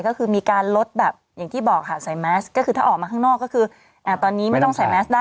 ในขณะที่อินเดียคุณเห็นไหมคะ